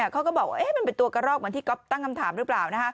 เขาก็บอกว่ามันเป็นตัวกระรอกเหมือนที่ก๊อฟตั้งคำถามหรือเปล่า